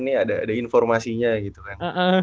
ini ada informasinya gitu kan